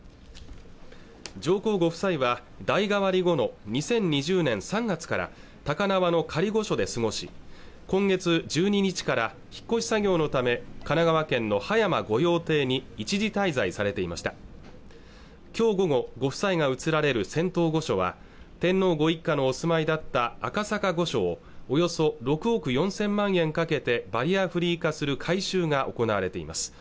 上皇ご夫妻は代替わり後の２０２０年３月から高輪の仮御所で過ごし今月１２日から引っ越し作業のため神奈川県の葉山御用邸に一時滞在されていました今日午後、ご夫妻が移られる仙洞御所は天皇ご一家のお住まいだった赤坂御所をおよそ６億４０００万円かけてバリアフリー化する改修が行われています